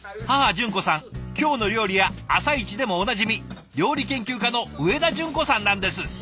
母淳子さん「きょうの料理」や「あさイチ」でもおなじみ料理研究家の上田淳子さんなんです！